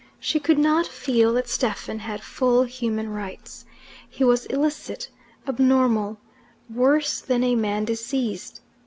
She could not feel that Stephen had full human rights. He was illicit, abnormal, worse than a man diseased.